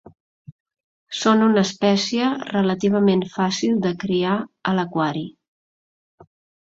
Són una espècie relativament fàcil de criar a l'aquari.